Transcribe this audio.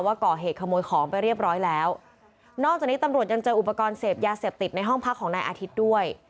ว่าก่อเหตุขโมยของไปเรียบร้อยแล้วนอกจากนี้ตำรวจยังเจออุปกรณ์เสพยาเสพติดในห้องพักของนายอาทิตย์ด้วย